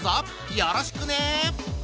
よろしくね！